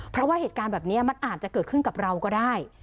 เพราะว่าเหตุการณ์แบบนี้มันอาจจะเกิดขึ้นกับเราก็ได้